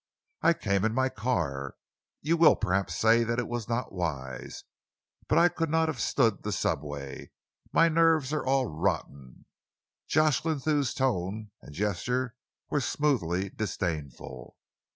"I came in my car. You will perhaps say that it was not wise, but I could not have stood the subway. My nerves are all rotten." Jocelyn Thew's tone and gesture were smoothly disdainful.